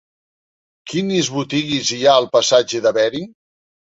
Quines botigues hi ha al passatge de Bering?